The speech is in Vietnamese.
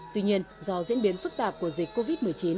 tuy nhiên do diễn biến phức tạp của dịch covid một mươi chín